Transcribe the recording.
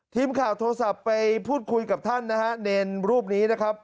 ทีมข่าวโทรศัพท์ไปพูดคุยกับท่านนะฮะเนรรูปนี้นะครับ